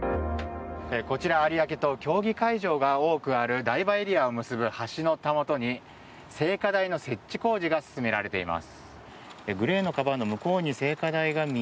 こちら、有明と競技会場が多くある台場エリアを結ぶ橋のたもとに聖火台の設置工事が進められています。